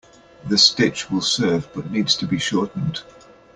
The stitch will serve but needs to be shortened.